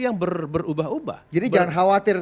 yang berubah ubah jadi jangan khawatir